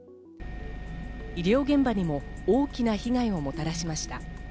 医療現場にも大きな被害をもたらしました。